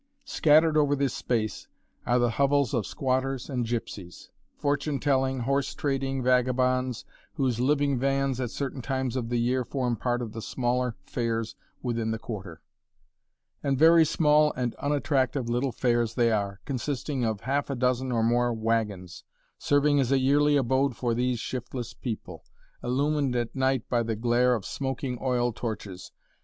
Scattered over this space are the hovels of squatters and gipsies fortune telling, horse trading vagabonds, whose living vans at certain times of the year form part of the smaller fairs within the Quarter. [Illustration: (factory chimneys along empty street)] And very small and unattractive little fairs they are, consisting of half a dozen or more wagons, serving as a yearly abode for these shiftless people; illumined at night by the glare of smoking oil torches.